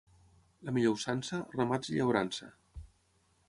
La millor usança, ramats i llaurança.